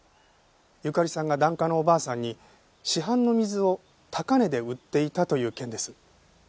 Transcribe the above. ゆかりさんが檀家のおばあさんに市販の水を高値で売っていたという件です。